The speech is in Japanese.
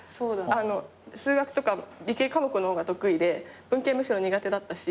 数学とか理系科目の方が得意で文系むしろ苦手だったし。